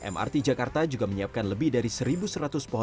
mrt jakarta juga menyiapkan lebih dari satu seratus pohon